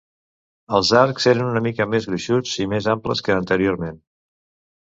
Els arcs eren una mica més gruixuts i més amples que anteriorment.